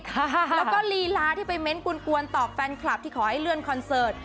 แล้วก็ลีลาที่ไปเน้นกวนตอบแฟนคลับที่ขอให้เลื่อนคอนเสิร์ต